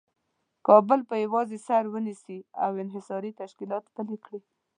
کابل په یوازې سر ونیسي او انحصاري تشکیلات پلي کړي.